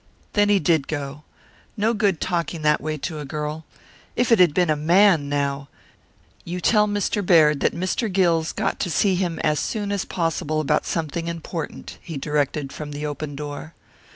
Then he did go. No good talking that way to a girl. If it had been a man, now "You tell Mr. Baird that Mr. Gill's got to see him as soon as possible about something important," he directed from the open door.